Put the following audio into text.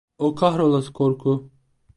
O kahrolası korku…